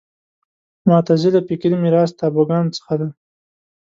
معتزله فکري میراث تابوګانو څخه دی